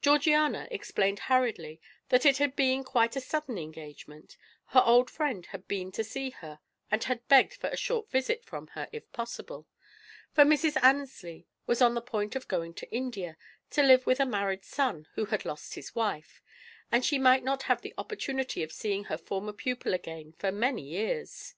Georgiana explained hurriedly that it had been quite a sudden engagement; her old friend had been to see her, and had begged for a short visit from her, if possible, for Mrs. Annesley was on the point of going to India, to live with a married son who had lost his wife, and she might not have the opportunity of seeing her former pupil again for many years.